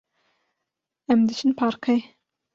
Em diçin parkê.